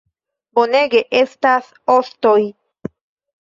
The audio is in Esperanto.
Bonege, estas ostoj